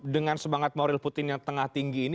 dengan semangat moral putin yang tengah tinggi ini